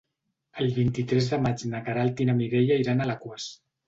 El vint-i-tres de maig na Queralt i na Mireia iran a Alaquàs.